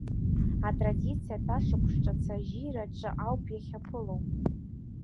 Атрадициатә ашықәс Ҿыц Ажьира аҿы ауп иахьаԥыло.